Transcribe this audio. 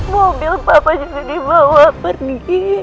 mobil papa juga dibawa pergi